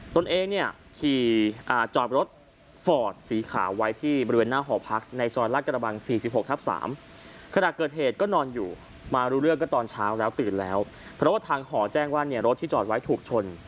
ตนเองที่จอดรถฟอร์ดสีขาวไว้ที่บริเวณหน้าหอพักในสอนรักษณ์กระบัง๔๖ทับ๓